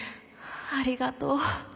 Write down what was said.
ありがとう。